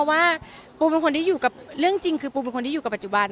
ไม่นะคะเพราะว่าเรื่องจริงคือปูเป็นคนที่อยู่กับปัจจุบัน